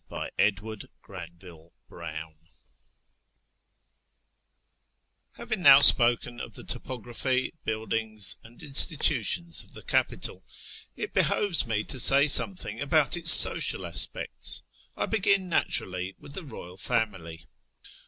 teherAn 99 Having now spoken of the topography, buildings, and institutions of the capital, it behoves me to say something about its social aspects. I begin naturally with the royal family.